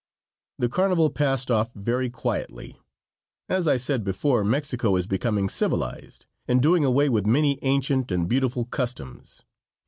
The carnival passed off very quietly. As I said before, Mexico is becoming civilized, and doing away with many ancient and beautiful customs.